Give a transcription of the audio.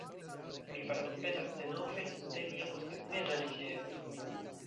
Mi pardonpetas, denove, de mia posttagmeza neĉeesto.